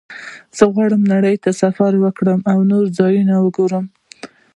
زه غواړم چې نړۍ ته سفر وکړم او نوي ځایونه وګورم